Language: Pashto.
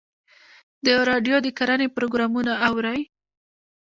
د راډیو د کرنې پروګرامونه اورئ؟